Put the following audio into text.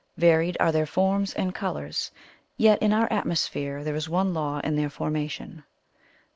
Varied are their forms and colours, yet in our atmosphere there is one law in their formation.